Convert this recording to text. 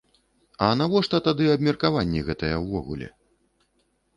А навошта тады абмеркаванні гэтыя ўвогуле?